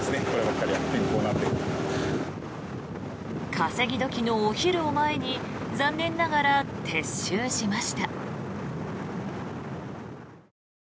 稼ぎ時のお昼を前に残念ながら撤収しました。